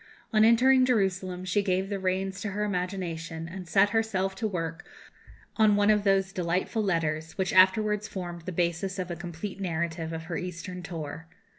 On entering Jerusalem she gave the reins to her imagination, and set herself to work on one of those delightful letters which afterwards formed the basis of a complete narrative of her Eastern tour.